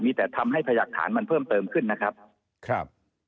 มีแต่ทำให้พยากฐานมันเพิ่มเติมขึ้นนะครับครับ